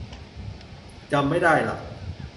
จำไม่ได้ละ